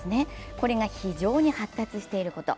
これが非常に発達していること。